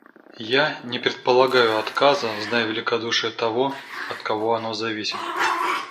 Я не предполагаю отказа, зная великодушие того, от кого оно зависит.